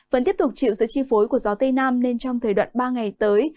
vẫn tiếp tục chịu sự chi phối của gió tây nam nên trong thời đoạn ba ngày tới